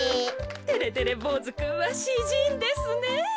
てれてれぼうずくんはしじんですねぇ。